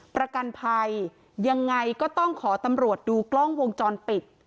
ประกันภัยยังไงก็ต้องขอตำรวจดูกล้องวงจรปิด